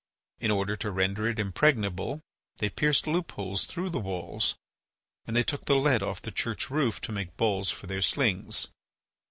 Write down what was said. In order to render it impregnable they pierced loop holes through the walls and they took the lead off the church roof to make balls for their slings.